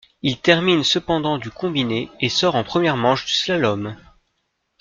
Il termine cependant du combiné et sort en première manche du slalom.